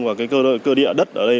và cơ địa đất ở đây